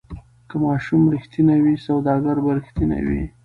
که ماشوم ریښتینی وي سوداګر به ریښتینی وي.